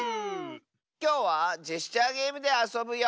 きょうはジェスチャーゲームであそぶよ。